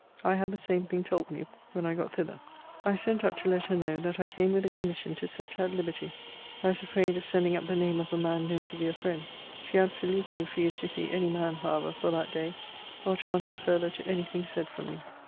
I had the same thing told me, when I got thither. I sent up to let her know, that I came with a commission to set her at liberty. I was afraid of sending up the name of a man known to be your friend. She absolutely refused to see any man, however, for that day, or to answer further to any thing said from me.